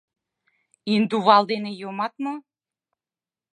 Индувал дене йомат мо?